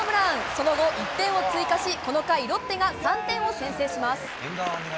その後１点を追加しこの回、ロッテが３点を先制します。